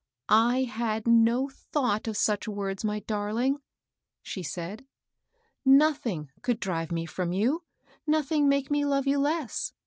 " I had no thought of such words, my darling," 30 MABEL ROSS. she said. " Nothing could drive me fjpom you, — nothing make me love you less.